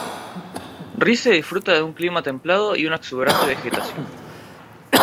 Rize disfruta de un clima templado y una exuberante vegetación.